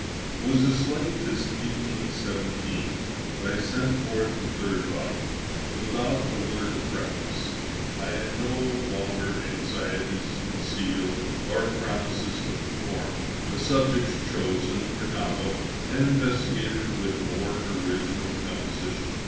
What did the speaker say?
It was as late as 1817 that I sent forth the third volume; without a word of preface. I had no longer anxieties to conceal or promises to perform. The subjects chosen were novel, and investigated with more original composition.